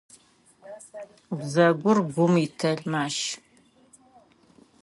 Бзэгур гум итэлмащ.